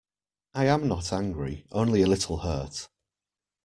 I am not angry, only a little hurt.